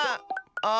あ！